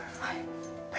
はい。